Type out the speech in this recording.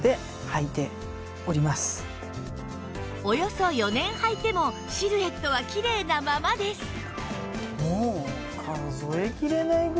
およそ４年はいてもシルエットはきれいなままです